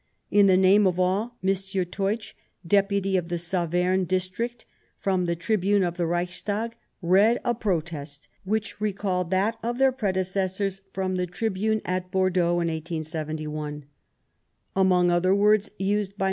In the name of all, M. Teutsch, Deputy of the Saverne district, from the tribune of the Reichstag, read a protest which recalled that of their predeces sors from the tribune at Bordeaux in 187 1. Among other words used by M.